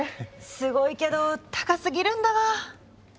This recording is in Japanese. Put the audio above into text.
すごいけど高すぎるんだわ。